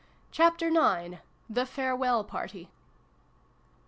CHAPTER IX. THE FAREWELL PARTY.